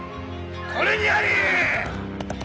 これにあり！